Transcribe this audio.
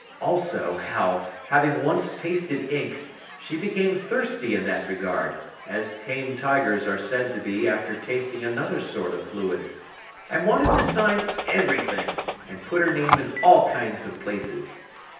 Also, how, having once tasted ink, she became thirsty in that regard, as tame tigers are said to be after tasting another sort of fluid, and wanted to sign everything, and put her name in all kinds of places.